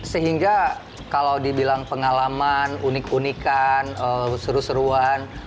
sehingga kalau dibilang pengalaman unik unikan seru seruan